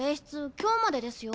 今日までですよ。